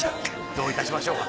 どういたしましょうか。